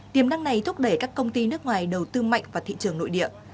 tiềm năng này thúc đẩy các công ty nước ngoài đầu tư mạnh vào thị trường nội địa